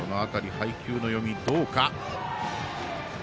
配球の読みどうか。